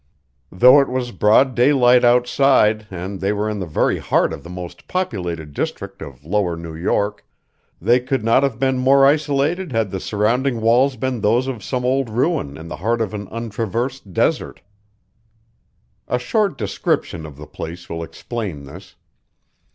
Though it was broad daylight outside and they were in the very heart of the most populated district of lower New York, they could not have been more isolated had the surrounding walls been those of some old ruin in the heart of an untraversed desert. A short description of the place will explain this.